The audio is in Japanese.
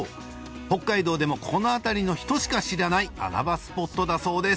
北海道でもこの辺りの人しか知らない穴場スポットだそうです